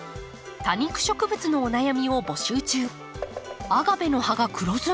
多肉植物のお悩みを募集中。